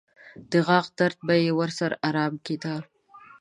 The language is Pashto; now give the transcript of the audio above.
د غاښ درد به یې ورسره ارام کېده.